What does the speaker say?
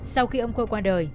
sau khi ông khôi qua đời